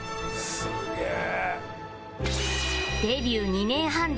「すげえ！」